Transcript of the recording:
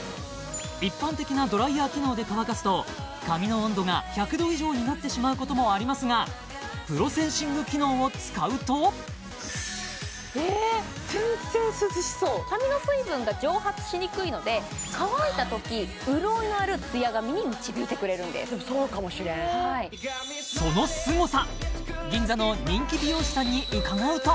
一般的なドライヤー機能で乾かすと髪の温度が１００℃以上になってしまうこともありますがプロセンシング機能を使うとえ全然涼しそう髪の水分が蒸発しにくいので乾いたとき潤いのある艶髪に導いてくれるんですでもそうかもしれんそのすごさ！